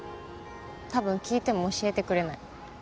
多分聞いても教えてくれない。